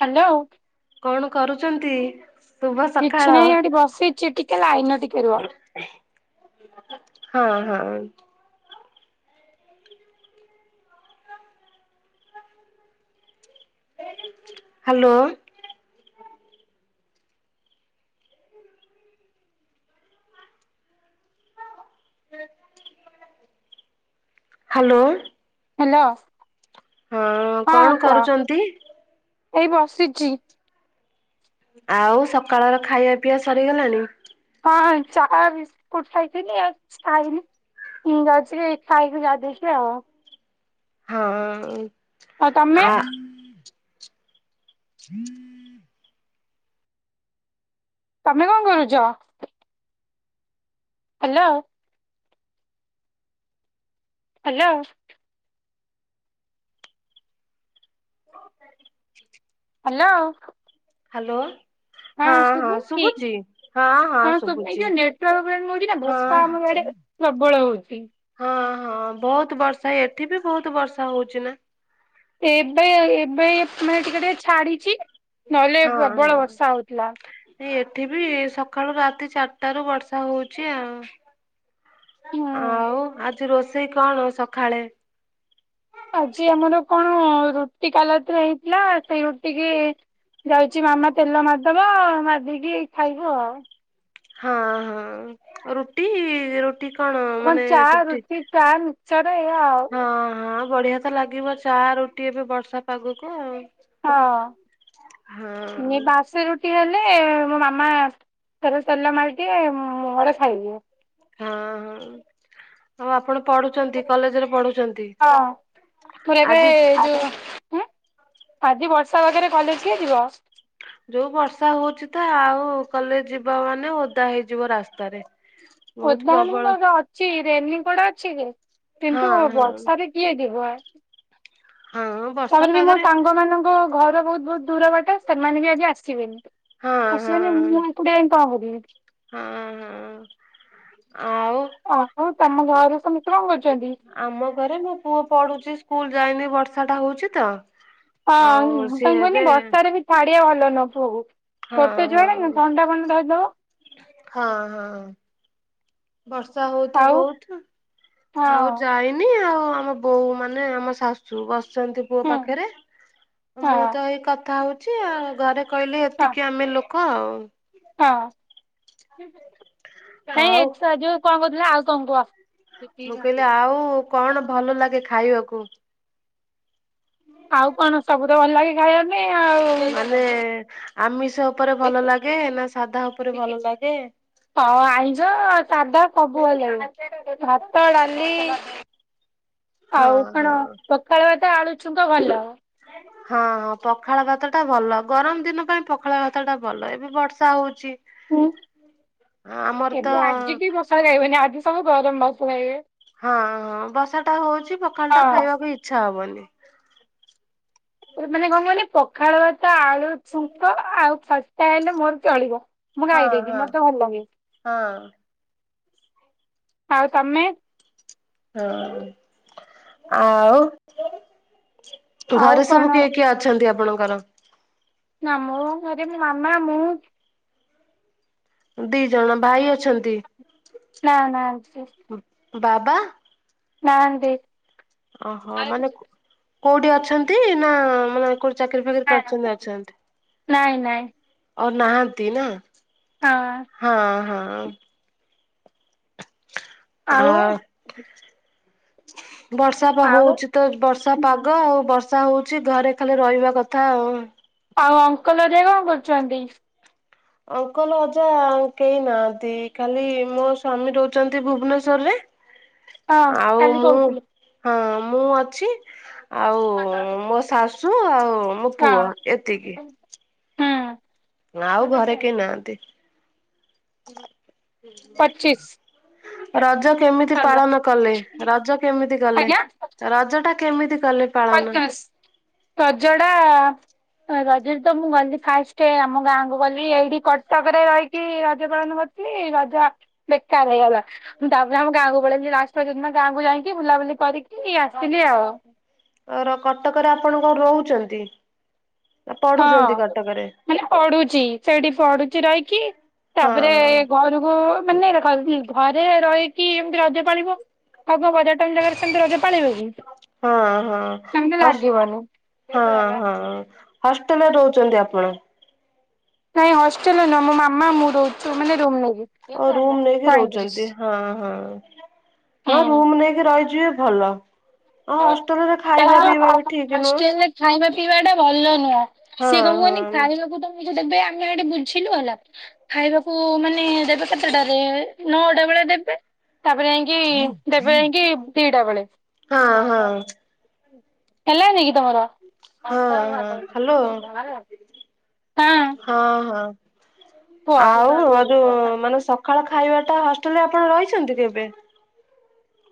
Hello. କଣ କରୁଛନ୍ତି? ଶୁଭ କିଛି ସକାଳ। ନାହିଁ ଏଠି ବସିଛି ଟିକେ ଲାଇନରେ ଟିକେ ରୁହ। ହଁ ହଁ। ହ୍ୟାଲୋ। ହ୍ୟାଲୋ। ହ୍ୟାଲୋ ହଁ କଣ କୁହ କରୁଛନ୍ତି? ଏଇ ବସିଛି। ଆଉ ସକାଳର ଖାଇବା ପିଇବା ସରିଗଲାଣି? ହଁ ଚା ବିସ୍ କୁଟ ଖାଇଛି ଆଇଲି। ମୁଁ ଯାଉଛି ଖାଇକ [unintelligible] ଆଉ। ହଁ ଆଉ ତମେ ଆ ତମେ କଣ କରୁଛ? ହ୍ୟାଲୋ। ହ୍ୟାଲୋ। [unintelligible] ହ୍ୟାଲୋ। ହ୍ୟାଲୋ। ହଁ ଶୁଭୁ ହଁ ଶୁଭୁ ଏ ଯୋଉଟଛି ନା ହଁ ବର୍ଷା ଆମରଡେ ପ୍ରବଳ ହଉଛି। ହଁ ହଁ ବହୁତ ବର୍ଷା ଏଠି ବି ବହୁତ ବର୍ଷା ହଉଛି ନା। ଏବେ ଏବେ ମେ ଟିକେ ଟିକେ ଛାଡିଛି ନହେଲେ ହଁ ପ୍ରବଳ ହଁ। ବର୍ଷା ହଉଥିଲା। ଏଠି ବିି ସକାଳୁ ରାତି ଚାରିଟାରୁ ବର୍ଷା ହଉଛି ଆଉ। ହୁଁ। ଆଉ ଆଜି ରୋଷେଇ କଣ ସକାଳେ ଆଜି ଆମର କଣ ରୁଟି କାଲତିରେ ହେଇଥିଲା ସେଇ ରୁଟି କି ଯାଉଛି ମାମା ତେଲ ମାରିଦବ ମଧିକି ଖାଇବୁ ଆଉ। ହଁ ହଁ ରୁଟି ର କଣ ମାନେ ଚା ହଁ ରୁଟି ଚା ମିକ୍ସଚର ଏଇଆ ଆଉ ହ ବଢିଆ ଲାଗିବ ଚା ରୁଟି ଏବେ ବର୍ଷା ପାଗକୁ ଆଉ ହଁ ହଁ ବାସି ରୁ ସେ ହେଲେ ମୋ ମାମା ଥର ତେଲ ମାରିଦିଏ ମୁଁ ଘରେ ଖାଇଦିଏ। ହଁ ହଁ ଆଉ ଆପଣ ପଢୁଛନ୍ତି କଲେଜରେ ପଢୁଛନ୍ତି ହଁ ମୋର ଏବେ ଆଜି ଯୋଉ ଆଜି ବର୍ଷା ପାଗରେ କଲେଜ କିଏ ଯିବ? ଯୋଉ ବର୍ଷା ହଉଛି ତ ଆଉ କଲେ ଯିବା ମାନେ ଓଦା ହେଇଯିବ ରାସ୍ତାରେ। ବହୁତ ଉଦାହରଣ ପ୍ରବଳ ମର ଅଛି ରେନିକୋଡ ଅଛି ଯେ ହଁ କିନ୍ତୁ ହଁ ବର୍ଷ କିଏ ଯିବ? ହଁ ବର୍ଷା ତାପରେ ବି ମୋ ପାଗରେ ସାଙ୍ଗ ମାନଙ୍କ ଘର ବହୁତ ବହୁତ ଦୂର ବାଟାାର୍ ମାନ ବି ଆଜି ଆସିବେନି ହଁ ହଁ ଆସିବେନି ମୁଁ ହଁ କଡିଆ କଣ ହବନି ହଁ। ଆଉ ଆ ତମ ଘରେ ସମସ୍ତେ କଣ କରୁଛନ୍ତି? ଆମ ଘରେ ମୋ ପୁଅ ପଢୁଛି ସ୍କୁଲ ଯାଇନି ବର୍ଷା ଟା ହଉଛି ତ ହଁ ଆଉ ତା ସିଏ କହନି ଏବେ ବସ୍ତାରେ ବି ଛାଡିବ ଭଲ ନୁହଁ ପୁଅ କୁ ହଁ ଛୋଟ ଛୁଆଟା ନା ହଁ ଥଣ୍ଡା ଫଣ୍ଡା ଧରିଦବ। ହଁ- ହଁ। ବର୍ଷା ହଉତି ଆଉ ବହୁତୁ ହଁ ଆଉ ଯାଇନ୍ ଆଉ ଆମ ବୋଉ ମାନେ ଆମ ଶାଶୁ ବସିଚନ୍ତି ପୁଅ ହୁଁ ପାଖରେ ମୁଁ ହଁ ତ ଏଇ କଥା ହଉଚି ଆଉ ଘରେ କହିଲେ ହଁ ଏତିକି ଆମେ ଲୋ କଣ? ହଁ- ନାଇଁ ଏ ଆଉ ସାହାଯ୍ୟ କଣ କହୁଥିଲେ ଆଉ କଣ କୁହ। ମୁଁ କହିଲି ଆଉ କଣ ଭଲ ଲାଗେ ଖାଇବାକୁ? ଆଉ କଣ ସବୁ ତ ଭଲ ଲାଗେ ଖାଇବାକୁ। ମାନେ ଆମିଷ ଉପରେ ଭଲ ଲାଗେ ନା ସାଧା ଉପରେ ଭଲ ଲାଗେ? ହଁ ଆଇଁଷ ସାଧା ସବୁ ଭଲ ଲାଗେ। ଭାତ, ଡାଲି ହଁ ଆଉ କଣ ହଁ। ପଖାଳ ଭାତ ଆଳୁ ଛୁଙ୍କ ଭଲ। ହଁଁ ପଖାଳ ଭାତ ଟା ଭଲ ଗରମ୍ ଦିନ ପାଇଁ ପଖାଳ ଭାତ ଟା ଭଲ ଏବେ ବର୍ଷା ହଉଚି ହୁଁ ତ ଏବେ ଆଜିି କେହି ପଖାଳ ଖାଇବେନି ଆଜି ସବୁ ଗରମ୍ ଭାତ ଖାଇବେ। ହଁ- ହଁ ବର୍ଷା ଟା ହଉଚି ପଖାଳ ଟା ହଁ ଖାଇବାକୁ ଇଚ୍ଛା ହବନି। ମାନେ କଣ କହିଲେ ପଖାଳ ଭାତ ଆଳୁ ଛୁଙ୍କ ଆଉ ଖଟା ହେଲେ ମୋର ଚଳିବ। ମୁଁ ହଁ ଖାଇଦେବି -ହଁ ମତେ ଭଲ ଲାଗେ -ହଁ। ଆଉ ତମେ? ହଁ ଆଉ ଆଉ ଘରେ କଣ ସବୁ କିଏ କିଏ ଅଛନ୍ତି ଆପଣଙ୍କର? ଆମ‌ ଘରେ ମାମା ମୁଁ ଦି ଜଣ ଭାଇ ଅଛନ୍ତି। ନା ନା ସେ ବାବା। ନାହାନ୍ତି। ଓହୋ ମାନେ କଉଠି ଅଛନ୍ତି ନା ମାନେ କଉଠି ଚାକିରି ଫାକିରି କରିଚନ୍ତି ଅଛନ୍ତି ନାଇଁ ନାଇଁ ଆଉ ନାହାନ୍ତି ନା। ହଁ ହଁ ହଁ ଆ ଆଉ ବର୍ଷା ପା ଆଉ ହଉଚି ତ ବର୍ଷା ହୁଁ ପାଗ ଆଉ ବର୍ଷ୍ ବର୍ଷା ହଉଚି ଘରେ ଖାଲି ରହିବା କଥା ଆଉ। ଆଉ ଅଙ୍କଲ୍ ହେରିକା କଣ୍ କରୁଚନ୍ତି? ଅଙ୍କଲ୍, ଅଜା କେହି ନାହାନ୍ତି ଖାଲି ମୋ ସ୍ଵାମୀ ରହୁଚନ୍ତି ଭୁବନେଶ୍ୱରରେ ହଁ ଆଉ କାଲି ମୁଁ କହୁଥିଲେ। ହଁ ମୁଁ ଅଛି ଆଉ ମୋ ଶାଶୁ ଆଉ ମୋ ହଁ ପୁଅ ଏତିକି। ଆଉ ଘରେ ହୁଁ କେହି ନାହାନ୍ତି। ପଚିଶ୍। ରଜ କେମିତି ପାଳନ କଲେ ରଜ କେମିତି କଲେ ରଜ ଟା କେମିତି କଲେ? ପାଳନ? ରଜ‌ ‌ଟା ରଜରେ ତ ମୁଁ ଗଲି ଫାଷ୍ଟ୍ ଆମ ଗାଁ କୁ ଗଲି ଏଇଠି କଟକ ରେ ରହିକି ରଜ ପାଳନ କର କି ରଜ ଆ ବେକାର୍ ହେଇଗଲା ତାପରେ ଆମ ଗାଁକୁ ପଳେଇଲି ଲାଷ୍ଟ୍ ରଜ ଦିନ ଗାଁକୁ ଯାଇକି ବୁଲାବୁଲି କରିକି ଆସ୍ ଆସିଥିଲି ଆଉ। ର -କଟକରେ ଆପଣ କଣ ରହୁଚନ୍ତି? ପଢୁଚନ୍ତି ହଁ। କଟକରେ? ମାନେ ପଢୁଚି ସେଇଠି ପଢୁଚି ରହିକି ହଁ ତାପରେ ଘରୁକୁ ମାନେ ଦେଖନ୍ତୁ ଘରେ ରହିକି ଏମତି ରଜ ପାଳିବ ଆଉ କଣ୍ ବଜାର୍ ଟାଉନ୍ ଜାଗାରେ ସେମତି ରଜ ପାଳିବ କି? ହଁ ହଁ ସେମିତି ହର୍ଷ୍ଟ୍ ଲାଗିବନି। ହଁ ହଁ ହଁ। ହଷ୍ଟେଲରେ ରହୁଛନ୍ତି ଆପଣ? ନାଇଁ ହଷ୍ଟେଲ ନୁହଁ ମୋ ମାମା ମୁଁ ରହୁଛୁ ମାନେ ରୁମ ନେଇକି। ଆଉ ରୁମ୍ ନେଇକି ପଇଁତିରିଶ ରହୁଛନ୍ତି ହଁ ହଁ। ହଁ ରୁମ୍ ହୁଁ। ନେଇକି ରହିଯିବେ ଭଲ, ଆଉ ହଷ୍ଟେଲ ରେ ଖାଇବା ତାଙ୍କର ପିଇବା ବି ଠିକ ନୁହଁ। ହଷ୍ଟେଲରେ ଖାଇବା ପିଇବା ଟା ଭଲ ନୁହଁ। ହଁ ସିଏ କଣ କହନି ହଁ। ଖାଇବାକୁ ତମ ଦେବେ ଆମେ ଆଡେ ବୁଝିଲୁ ହେଲା। ଖାଇବାକୁ ମାନେ ଦେବେ କେତେଟାରେ ନଅଟା ବେଳେ ଦେବେ ତାପରେ ଯାଇ କି ଦେବେ ଯାଇଁ କି ଦିଟା ବେଳେ। ହଁ ହଁ। ହେଲାନିକି ତମର? ହଁ ହଁ ହ୍ୟାଲୋ କାହା। ହଁ ହଁ ଆଉ ଘରୁ ମାନେ ସ କଣ ଖାଇବା ଟା ହଷ୍ଟେଲ ରେ ଆପଣ ରହିଛନ୍ତି କେବେ?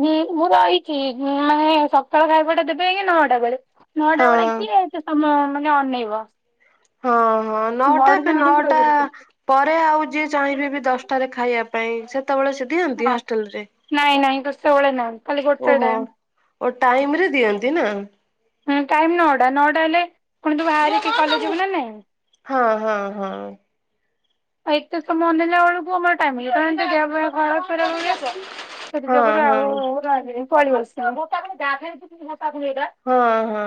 ହଁ ମୁଁ ରହିଛି ମାନେ ସକାଳ ଖାଇବାଟା ଦେବେ ଆଜ୍ଞା ନଅଟା ବେଳେ। ନଅଟା ହଁ ବେଳେ କିଏ ଏତେ ସମୟ ମାନେ ଅନେଇବ। ହଁ ହଁ ନଅଟା ବଡ ଏ ଯାଆଙ୍କ ନଅଟା ପରେ ଆଉ ଯିଏ ଚାହିଁବେ ବି ଦଶଟାରେ ଖାଇବା ପାଇଁ ସେତେବେଳେ ସେ ଦିଅନ୍ତି ହଁ ହଷ୍ଟେଲରେ? ନାଇଁ ନାଇଁ ଦଶଟା ବେଳେ ନାହି। ଓହୋ ଟାଇମ ରେ ଦିଅନ୍ତି ନା। ହଁ ଟାଇମ୍ ନଅଟା ନଅଟା ହେଲେ ପୁଣି ତୁ ବାହାରିକି କଲେଜ୍ ଯିବୁ ନା ନାଇଁ। ହଁ ହଁ ହଁ। ଆ ଏତେ ସମୟ ଅନେଇଲା ବେଳକୁ ଆମର ଟାଇମ ହେଇ କାରଣ ଦେହ ପା ଖରାପ ରୁହେ। ସେଥି ହଁ ଯୋଗୁରୁ ଆଉ ହଁ ରହିବିନି କୁଆଡୁ ଆସିବ। ହଁ ହଁ।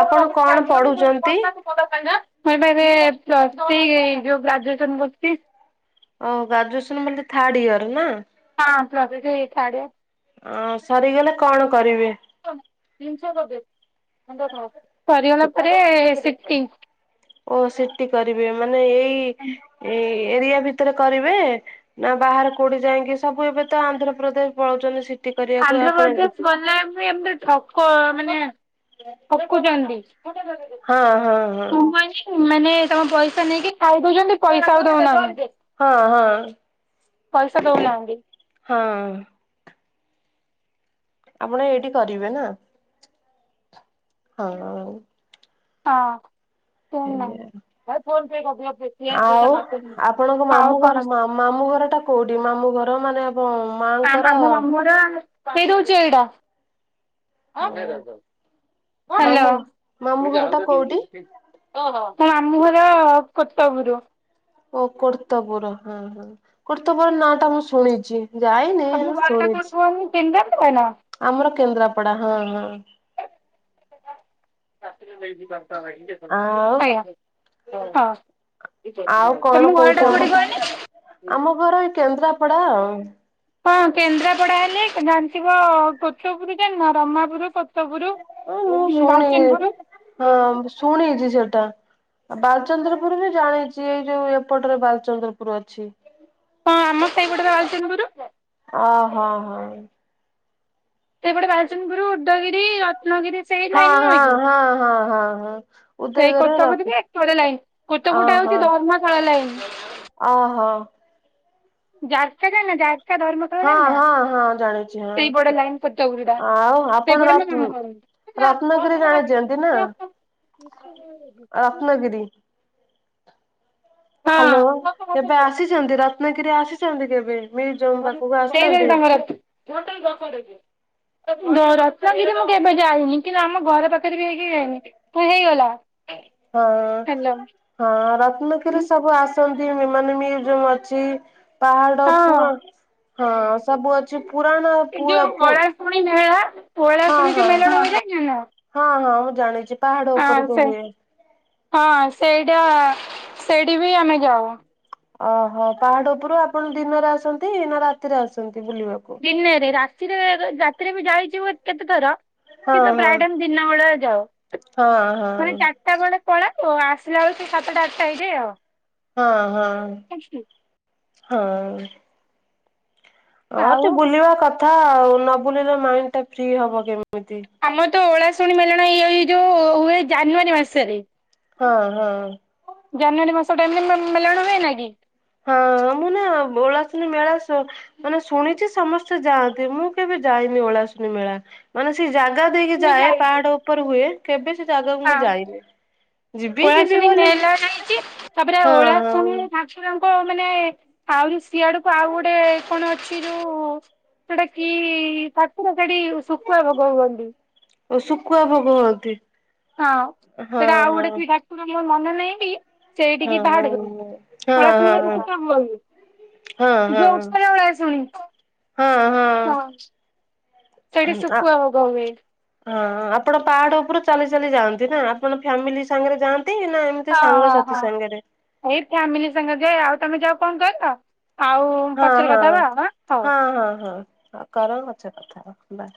ଆପଣ କଣ ପଢୁଛନ୍ତି? [unintelligible] ମୁଁ ଏଠାରେ ପ୍ଲସ୍ ଥ୍ରୀ ଯୋଉ ଗ୍ରାଜୁଏସନ୍ କରିଚି। ଓ ଗ୍ରାଜୁଏସନ ବୋଲି ଥାର୍ଡ ଇୟର୍ ନା? ହଁ ପ୍ଲସ୍ ଥାର୍ଡ ଇୟର୍। ଅ, ସରିଗଲେ କଣ କରିବେ? ଓଃ, [unintelligible] ସରିଗଲା ପରେ ସିଟି। ଓ ସିଟି କରିବେ ମାନେ ଏଇ ଏ ଏରିଆ ଭିତରେ କରିବେ ନା ବାହାରେ କୋଉଠି ଯାଇଁକି? ସବୁ ଏବେ ତ ଆନ୍ଧ୍ରପ୍ରଦେଶ ପଳଉଚନ୍ତି ସି ଆନ୍ଧ୍ରପ୍ରଦେଶ ଗଲେ ବି ଏମିତି ଠକ ମାନେ ଠକୁଚନ୍ତି। ହଁ ହଁ ହଁ ମୁଁ କଇନି ଉ, ମାନେ ସେମାନେ ପଇସା ନେଇକି ଖାଇ ଦଉଚନ୍ତି ପଇସା ଆଉ ଦଉନାହାନ୍ତି। ହଁ, ପଇସା ହଁ, ଦଉନାହାନ୍ତି ହଁ। ଆପଣ ଏଇଠି କରିବେ ନା? ହଁ। ହଁ କେନ ସେଇଆ। [unintelligible] ଆଉ ଆପଣଙ୍କ ମାମୁଁ ଘର ମା-ମାମୁଁ ଘର ଟା କୋଉଠି? ମାମୁଁ ଘର ମାନେ ଆପଣ ଆ, ଆମ ମାଆଙ୍କର ମାମୁଁ ଘର ଆମେ, ପିଇ ଦଉଚି ଏଇଟା? ହଁ ହେଲୋ। ମାମୁଁ ମାମୁଁ ଘର ଟା କୋଉଠି? ମୋ ମାମୁଁ ଘର କତପୁରୁ। ଓ କର୍ତ୍ତପୁର ହଁ ହଁ କର୍ତ୍ତପୁର ନାଁ ଟା ମୁଁ ଶୁଣିଛି। ଯାଇନି? ତୋମ ଘର ଟା କୋଉଟି ଶୁଣିଛି। କୁହନି କେନ୍ଦ୍ରାପଡ଼ା ନା? ଆମର କେନ୍ଦ୍ରାପଡା ହଁ, ହଁ। ଆଜ୍ଞା ଆଉ ହଁ। ଆଉ କଣ ତୋମ ଘର ଟା କୋଉଠି କହୁଛନ୍ତି? କହିଲେ? ଆମ ଘର ଏଇ କେନ୍ଦ୍ରାପଡା ଆଉ। ହଁ କେନ୍ଦ୍ରାପଡା ହେଲେ ତ ଜାଣିଥିବ କତାପୁର ଜାଣିନ? ରମାପୁରୁ କ ତାପୁରୁ, ହଁ ଏମତି ବାଲଚନପୁରୁ [inaudible] ଶୁଣିଚି ସେଟା। ଆଉ ବାଲଚନ୍ଦ୍ରପୁର ବି ଜାଣିଚି ଏଇ ଯୋଉ ଏପଟରେ ବାଲଚନ୍ଦ୍ରପୁର ଅଛି। ହଁ ଆମର ସେହି ଗୋଟେ ବାଲଚନପୁରୁ। ଓ, ହଁ, ହଁ। ଏଇପଟେ ବାଲନପୁରୁ, ଉଦୟଗିରି, ରତ୍ନଗିରି। ସେଇ ଲାଇନ ହଁ, ନୁହେଁ କି ହଁ, ହଁ, ହଁ, ହଁ, ହଁ। ସେଇ ଉଦୟଗିରି ର କଥା ବୁଝିକି [unintelligible] ଲାଇନ୍ ଗୋଟେ ଅ ପଟେ ହଁ ହଉଛି ଅ ଧର୍ମଶାଳା ଲାଇନ୍। ଓହୋ। ଜାର୍କା ଜାଣିନ ଜାର୍କା ଧର୍ମ ହଁ, ହଁ, ହଁ ଜାଣିଛି ହଁ, ହଁ, ଲାଇନ୍ କଟକ ଯୋଉଟା ହଁ ଆଉ ଆପଣ ସେଇପଟେ ମୋ ରାଚୁ ମାମୁଁ ଘର ରତ୍ନଗିରି ଜାଣିଚନ୍ତି ନା? [inaudible] ରତ୍ନଗିରି ହ୍ୟାଲୋ, କେବେ ଆସିଛନ୍ତି, ରତ୍ନଗିରି ଆସିଛନ୍ତି କେବେ? ମ୍ୟୁଜିୟମ ପାଖକୁ କେଇ ଜଣ ଆସିଛନ୍ତି? ତୋମର? ଯୋ ରତ୍ନଗିରି ମୁଁ କେବେ ଯାଇନି, କିନ୍ତୁ ଆମ ଘର ପା [unintelligible] ହେଇଗଲା ହଁ, ହ୍ୟାଲୋ ହଁ ରତ୍ନଗିରି ସବୁ ଆସନ୍ତି ମୁଁ ମାନେ ମୁଁ ଯୋଉ ଅଛି। ପାହାଡ ହଁ ପୁରା ହଁ ସବୁ ଅଛି ପୁରାଣ ପୁଅ ପୁ ପୁଣି [unintelligible] ହଁ ହଁ। ହଁ ହଁ, ମୁଁ ଜାଣିଛି ପାହାଡ ଉପରେ ହଁ ତ ସେ ହୁଏ। ହଁ ସେଇଟା ସେଇଠି ବି ଆମେ ଯାଉ। ଓହୋ ପାହାଡ ଉପରୁ ଆପଣ ଦିନରେ ଆସନ୍ତି ନା ରାତିରେ ଆସନ୍ତି ବୁଲିବାକୁ? ଦିନରେ ରାତିରେ ରାତିରେ ବି ଯାଇଛି କେତେ ଥର ହଁ କିନ୍ତୁ ହଁ ପ୍ରାଏ ଟାଇମ୍ ଦିନ ବେଳା ଯାଉ। ହଁ ହଁ ମାନେ ସେତେ ବେଳେ ପଳାନ୍ତୁ ଆସିଲା ବେଳକୁ ସାତଟା ଆଠଟା ହେଇଯାଏ ଆଉ। ହଁ ହଁ ହଁ ହଁ ଆଉ ଟିକେ ବୁଲିବା କଥା ଆଉ ନ ବୁଲିଲ ମାଇଣ୍ଡ ଟା ଫ୍ରି ହବ କେମିତି। ଆମର ତ ଓଳାଶୁଣୀ ମେଳଣ ଏଇ ଏଇ ଯୋଉ ହୁଏ ଜାନୁଆରୀ ମାସରେ। ହଁ ହଁ। ଜାନୁଆରୀ ମାସଟା ଏମିତି ମେଲାଣ ହୁଏ ନା କି? ହଁ ମୁଁ [unintelligible] ନା ଓଳାଶୁଣି ମେଳା ସେ ମାନେ ଶୁଣିଛି ସମସ୍ତେ ଯାଆନ୍ତି ମୁଁ କେବେ ଯାଇନି ଓଳାଶୁନୀ ମେଳା। ମାନେ ସେ ଜାଗା ଦେଇକି ମୁଁ ଯାଏ ଯାଇଛି। ପାହାଡ ଉପରେ ହୁଏ। କେବେ ସେ ଜାଗାକୁ ମୁଁ ଯାଇନି। ଯିବି ପଳା ଯିବି ଶୁଣି ବୋଲି ମେଳା ଯାଇଛି। ତାପରେ ହଁ ଓଳା ଶଣି ହଁ। ତାଙ୍କ ମାନେ ଆହୁରି ସିଆଡକୁ ଆଉ ଗୋଟେ କଣ ଅଛି ଯୋଉ ସେଟା କି ଠାକୁର ସେଠି ଶୁଖୁଆ ଭୋଗ ହୁଅନ୍ତି। ଓ ଶୁଖୁଆ ଭୋଗ ହଅନ୍ତି? ହଁ ସେଟା ଆଉ ଗୋଟେ କି ଠାକୁର ମୋର ମନେ ନାହିଁ କି ହଁ। ସେଇଠିକି ପାହାଡ କୁ ହଁ ହଁ ହଁ [unintelligible] ହଁ। ହଁ ହଁ ହଁ। ହଁ ହଁ ଆ ସେଠି ଶୁଖୁଆ ହୋଗ ହୁଏ। ହଁ ଆପଣ ପାହାଡ ଉପରୁ ଚାଲି ଚାଲି ଯାଆନ୍ତି ନା? ଆପଣ ଫ୍ୟାମିଲି ସାଙ୍ଗରେ ଯାଆନ୍ତି ନା ଏମ ହଁ ହଁ ହଁ। ଏଇ ଫ୍ୟାମିଲି ସାଙ୍ଗରେ ଯାଏ। ଆଉ ତମେ ଯାଉ କଣ କହିଲ ଆଉ ହଁ ପଛରେ ହଁ, କଥା ହବା ଆଁ ହଉ। ହଁ ହଁ ହଁ କର ପଛରେ କଥା ହବା ହେଲା।